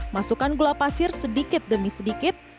masukkan gula pasir sedikit demi sedikit